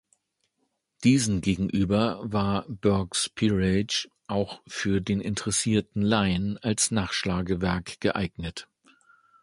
Diesen gegenüber war "Burke’s Peerage" auch für den interessierten Laien als Nachschlagewerk geeignet.